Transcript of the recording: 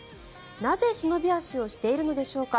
なぜ忍び足をしているのでしょうか。